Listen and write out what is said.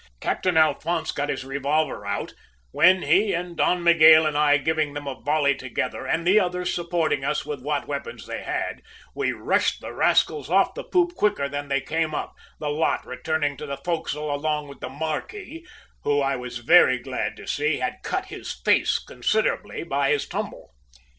Captain Alphonse got his revolver out, when he and Don Miguel and I giving them a volley altogether, and the others supporting us with what weapons they had, we rushed the rascals off the poop quicker than they came up, the lot returning to the forecastle along with the `marquis,' who, I was very glad to see, had cut his face considerably by his tumble.